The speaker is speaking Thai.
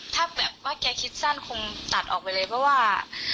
ถ้าแบบว่าแกคิดสั้นคงตัดออกไปเลยเพราะว่า